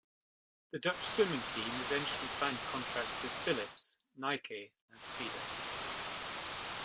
The Dutch swimming team eventually signed contracts with Philips, Nike, and Speedo.